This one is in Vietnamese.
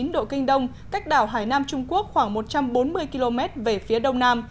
một trăm một mươi chín độ kinh đông cách đảo hải nam trung quốc khoảng một trăm bốn mươi km về phía đông nam